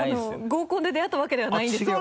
合コンで出会ったわけではないんですよ。